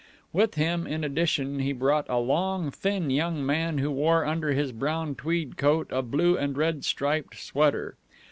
With him, in addition, he brought a long, thin young man who wore under his brown tweed coat a blue and red striped sweater.